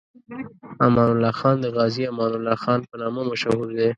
امان الله خان د غازي امان الله خان په نامه مشهور دی.